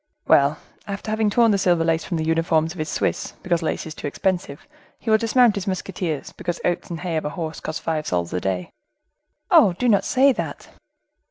"Well, after having torn the silver lace from the uniforms of his Swiss, because lace is too expensive, he will dismount his musketeers, because oats and hay of a horse cost five sols a day." "Oh! do not say that."